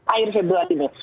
akhir februari ini